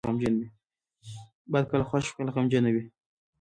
باد کله خوښ وي، کله غمجنه وي